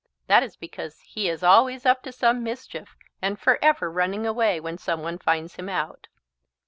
That is because he is always up to some mischief and forever running away when someone finds him out.